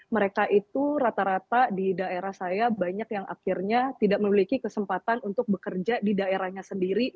mereka itu rata rata di daerah saya banyak yang akhirnya tidak memiliki kesempatan untuk bekerja di daerahnya sendiri